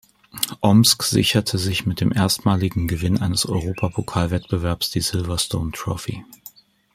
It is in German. Omsk sicherte sich mit dem erstmaligen Gewinn eines Europapokal-Wettbewerbs die Silver Stone Trophy.